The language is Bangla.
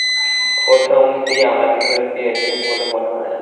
প্রথমটি আমাকে ফেরত দিয়েছে বলে মনে হয় না।